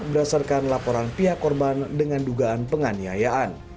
berdasarkan laporan pihak korban dengan dugaan penganiayaan